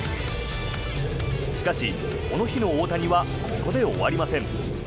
しかし、この日の大谷はここで終わりません。